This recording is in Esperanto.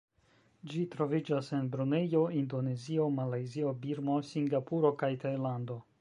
Ĝi troviĝas en Brunejo, Indonezio, Malajzio, Birmo, Singapuro, kaj Tajlando.